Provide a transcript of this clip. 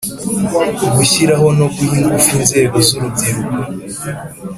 Gushyiraho no guha ingufu inzego z urubyiruko